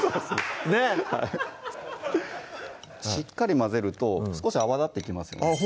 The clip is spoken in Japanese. ねっしっかり混ぜると少し泡立ってきますあっ